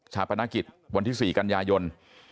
ปนกิจวันที่๔กันยายน